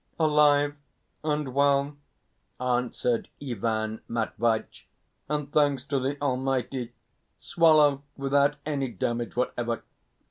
"Alive and well," answered Ivan Matveitch, "and, thanks to the Almighty, swallowed without any damage whatever.